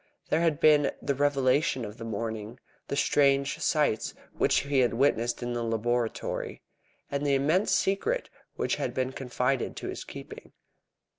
There had been the revelation of the morning, the strange sights which he had witnessed in the laboratory, and the immense secret which had been confided to his keeping.